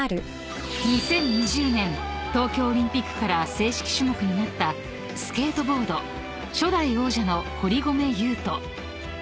［２０２０年東京オリンピックから正式種目になったスケートボード初代王者の］